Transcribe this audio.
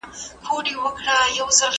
دا ګام کولای سي یوه واقعي پوهه رامنځته کړي.